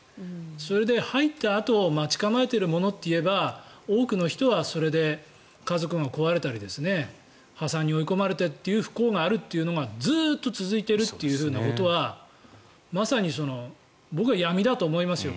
それで入ったあと待ち構えているものといえば多くの人はそれで家族が壊れたり破産に追い込まれてという不幸があるというのがずっと続いているっていうふうなことはまさに僕は闇だと思いますよ。